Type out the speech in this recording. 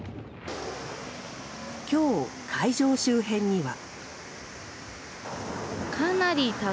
今日、会場周辺には。